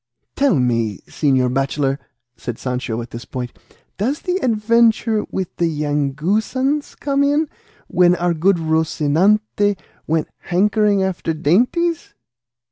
"Tell me, señor bachelor," said Sancho at this point, "does the adventure with the Yanguesans come in, when our good Rocinante went hankering after dainties?"